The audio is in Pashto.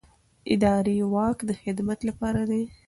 اداري واک د خدمت لپاره دی.